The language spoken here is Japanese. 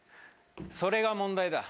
それが問題だ。